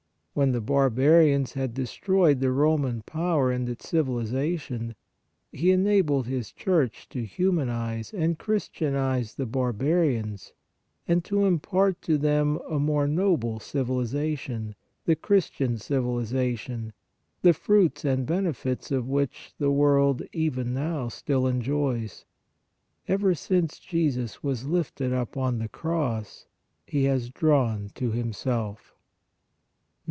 When the barbarians had destroyed the Roman power and its civilisation, He enabled His Church to humanize and christianize the barbarians and to impart to them a more noble civilisation, the Christian civilisation, the fruits and benefits of 206 PRAYER which the world even now still enjoys. Ever since Jesus was lifted up on the cross He has drawn to Himself 1.